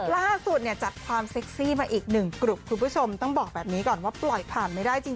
ล่าสุดเนี่ยจัดความเซ็กซี่มาอีกหนึ่งกลุ่มคุณผู้ชมต้องบอกแบบนี้ก่อนว่าปล่อยผ่านไม่ได้จริง